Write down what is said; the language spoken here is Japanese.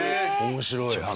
面白い話。